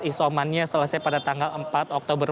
isomannya selesai pada tanggal empat oktober